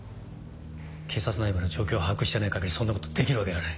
警察内部の状況を把握してない限りそんなことできるわけがない。